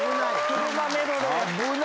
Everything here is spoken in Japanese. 車メドレー。